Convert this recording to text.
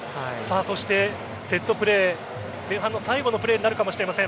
そしてセットプレー前半の最後のプレーになるかもしれません。